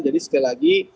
jadi sekali lagi